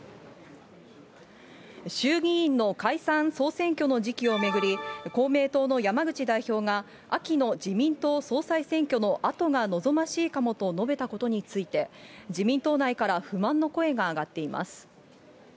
衆議院の解散・総選挙の時期を巡り、公明党の山口代表が、秋の自民党総裁選挙のあとが望ましいかもと述べたことについて、自民党内から不満の声が上がっています。